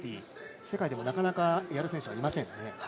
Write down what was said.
世界でもなかなかやる選手がいませんね。